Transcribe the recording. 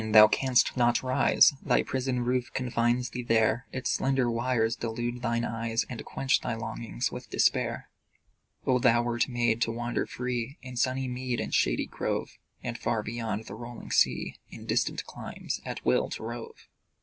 Thou canst not rise: Thy prison roof confines thee there; Its slender wires delude thine eyes, And quench thy longings with despair. Oh, thou wert made to wander free In sunny mead and shady grove, And far beyond the rolling sea, In distant climes, at will to rove!